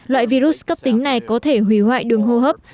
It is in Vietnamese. loại virus cấp tính này có thể hủy hoại đường hô hấp